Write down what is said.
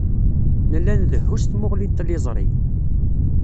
Nella ndehhu s tmuɣli n tliẓri.